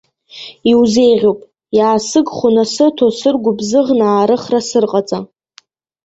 Иузеиӷьуп, иаасыгхо насыҭо, сыргәыбзыӷны, аарыхра сырҟаҵа.